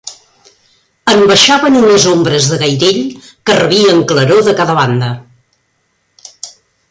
En baixaven unes ombres de gairell que rebien claror de cada banda